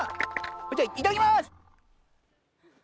それじゃあいただきます！